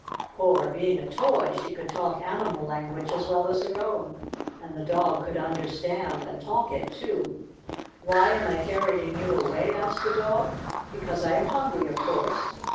For, being a toy, she could talk animal language as well as her own, and the dog could understand and talk it, too. "Why am I carrying you away?" asked the dog. "Because I am hungry, of course."